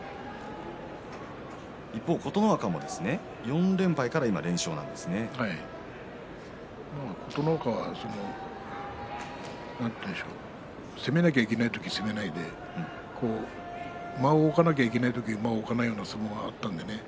一方、琴ノ若も４連敗からまあ琴ノ若は攻めなきゃいけない時攻めないで間を置かなきゃいけない時に間を置かないような相撲もあったんでね